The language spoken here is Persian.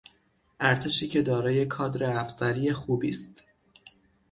ارتشی که دارای کادر افسری خوبی است.